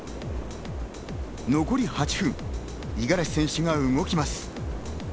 残り８分、五十嵐選手が動きます。